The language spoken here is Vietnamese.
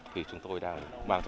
thì chúng tôi đang